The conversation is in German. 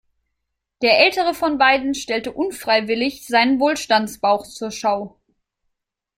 Der ältere von beiden stellte unfreiwillig seinen Wohlstandsbauch zur Schau.